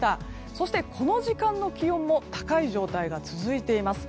そして、この時間の気温も高い状態が続いています。